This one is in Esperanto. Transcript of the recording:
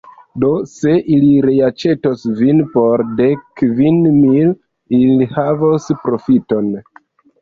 Do, se ili reaĉetos vin por dek kvin mil, ili havos profiton.